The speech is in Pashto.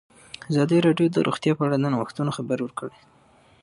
ازادي راډیو د روغتیا په اړه د نوښتونو خبر ورکړی.